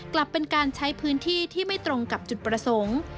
กลับเป็นการใช้พื้นที่ที่ไม่ตรงกับจุดประสงค์